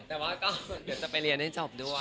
เดี๋ยวจะไปเรียนให้จบด้วย